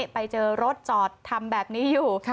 ไปเจอรถจอดทำแบบนี้อยู่